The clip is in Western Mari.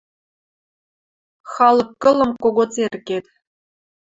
Халык кылым кого церкет